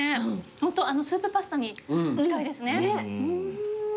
ホントスープパスタに近いですね。